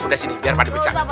udah sini biar madu pecah